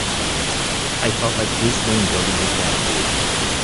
I felt like Bruce Wayne building his Batcave!